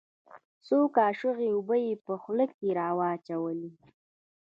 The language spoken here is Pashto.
څو کاشوغه اوبه يې په خوله کښې راواچولې.